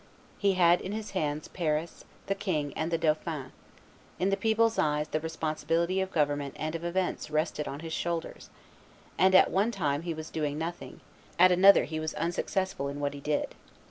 He had in his hands Paris, the king, and the dauphin; in the people's eyes the responsibility of government and of events rested on his shoulders; and at one time he was doing nothing, at another he was unsuccessful in what he did.